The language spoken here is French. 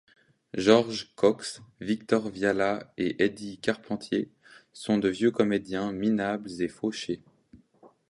Georges Cox, Victor Vialat et Eddie Carpentier sont de vieux comédiens minables et fauchés.